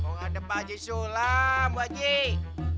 ngomong ada pak haji sulam bu haji